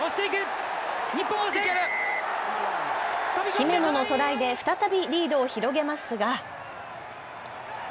姫野のトライで再びリードを広げますが。